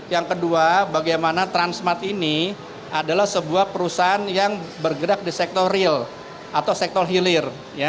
yang kedua bagaimana transmart ini adalah sebuah perusahaan yang bergerak di sektor real atau sektor hilir